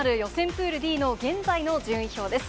プールＤの現在の順位表です。